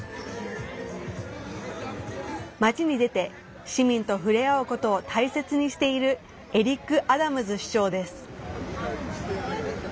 街に出て市民と触れ合うことを大切にしているエリック・アダムズ市長です。